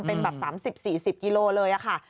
เป็นแบบ๓๐๔๐กิโลเลยค่ะ